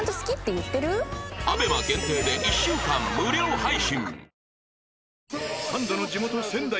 アベマ限定で１週間無料配信